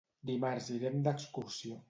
Dimarts irem d'excursió.